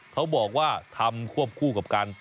เขาบอกว่าทำควบคู่กับการ